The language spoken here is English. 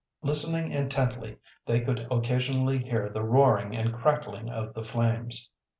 Listening intently, they could occasionally hear the roaring and crackling of the flames.